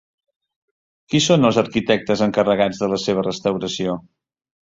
Qui són els arquitectes encarregats de la seva restauració?